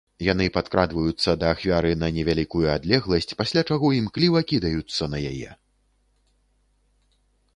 Яны падкрадваюцца да ахвяры на невялікую адлегласць, пасля чаго імкліва кідаюцца на яе.